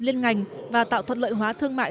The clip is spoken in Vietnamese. liên ngành và tạo thuận lợi hóa thương mại